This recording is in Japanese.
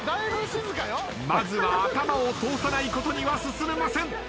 まずは頭を通さないことには進めません。